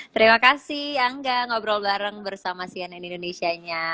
terima kasih angga ngobrol bareng bersama cnn indonesia nya